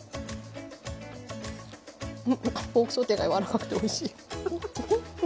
ポークソテーが柔らかくておいしい。